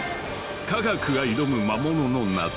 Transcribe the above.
科学が挑む魔物の謎。